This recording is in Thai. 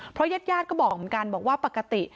เพราะญาติก็บอกเหมือนกันบอกว่าปกติ